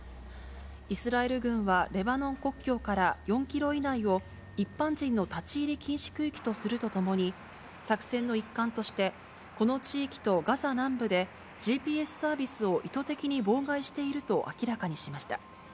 イスラエル軍は、レバノン国境から４キロ以内を一般人の立ち入り禁止区域とするとともに、作戦の一環として、この地域とガザ南部で、ＧＰＳサービスを意図的に妨害していると明らかにしました。